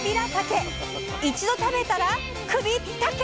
一度食べたら首ったけ！